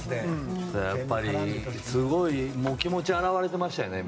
やっぱり、すごい気持ちが表れてましたよね